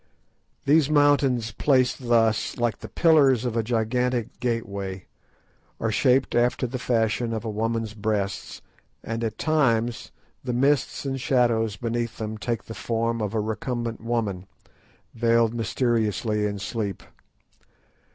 These mountains placed thus, like the pillars of a gigantic gateway, are shaped after the fashion of a woman's breasts, and at times the mists and shadows beneath them take the form of a recumbent woman, veiled mysteriously in sleep.